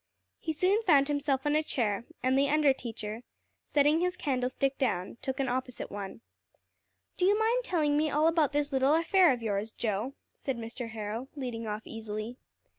He soon found himself on a chair; and the under teacher, setting his candlestick down, took an opposite one. "Do you mind telling me all about this little affair of yours, Joe?" said Mr. Harrow, leading off easily.